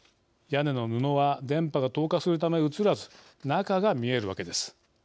屋根の布は電波が透過するため写らず中が見えるわけです。